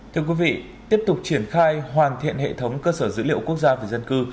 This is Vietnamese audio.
thưa quý vị tiếp tục triển khai hoàn thiện hệ thống cơ sở dữ liệu quốc gia về dân cư